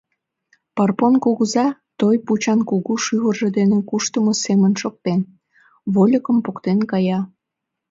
Парпон кугыза, той пучан кугу шӱвыржӧ дене куштымо семым шоктен, вольыкым поктен кая.